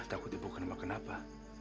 takut ibu kena makan apa